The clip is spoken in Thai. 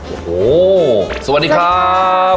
โอ้โหสวัสดีครับ